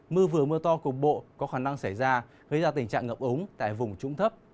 mưa vừa mưa to cục bộ có khả năng xảy ra gây ra tình trạng ngập ống tại vùng trũng thấp